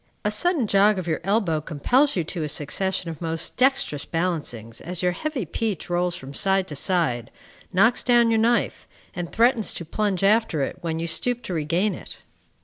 A sudden jog of your elbow compels you to a succession of most dexterous balancings as your heavy peach rolls from side to side, knocks down your knife, and threatens to plunge after it when you stoop to regain it.